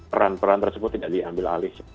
peran peran tersebut tidak diambil alih